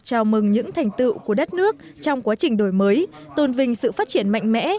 chào mừng những thành tựu của đất nước trong quá trình đổi mới tôn vinh sự phát triển mạnh mẽ